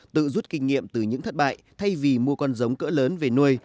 tự rút kinh nghiệm từ những thất bại thay vì mua con giống cỡ lớn về nuôi